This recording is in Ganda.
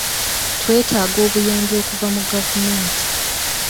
Twetaaga obuyambi okuva mu gavumenti.